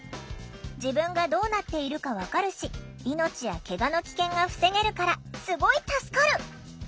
「自分がどうなっているか分かるし命やケガの危険が防げるからすごい助かる！」。